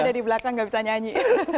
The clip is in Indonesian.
ada di belakang nggak bisa nyanyi